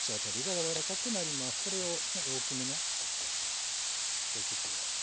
これを大きめの一口大に。